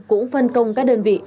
cũng phân công các đơn vị